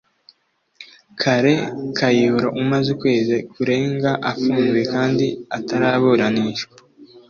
Kale Kayihura umaze ukwezi kurenga afunzwe kandi ataraburanishwa